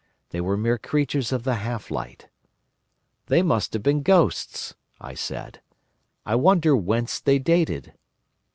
They were mere creatures of the half light. 'They must have been ghosts,' I said; 'I wonder whence they dated.